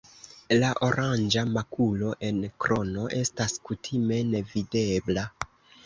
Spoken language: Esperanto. La oranĝa makulo en krono estas kutime nevidebla.